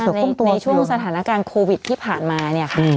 ในช่วงสถานการณ์โควิดที่ผ่านมาเนี่ยค่ะ